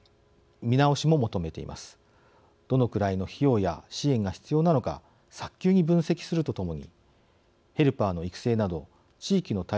どのくらいの費用や支援が必要なのか早急に分析するとともにヘルパーの育成など地域の体制を整えること。